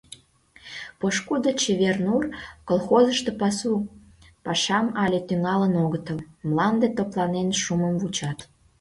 Пошкудо «Чевер нур» колхозышто пасу пашам але тӱҥалын огытыл, мланде топланен шумым вучат.